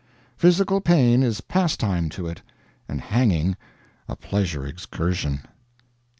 Physical pain is pastime to it, and hanging a pleasure excursion.